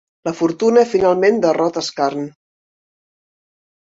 La fortuna finalment derrota Scarn.